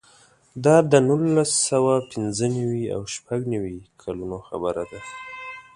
دا د نولس سوه پنځه نوې او شپږ نوې کلونو خبره ده.